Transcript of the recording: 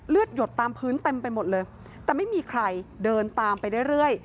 หยดตามพื้นเต็มไปหมดเลยแต่ไม่มีใครเดินตามไปเรื่อย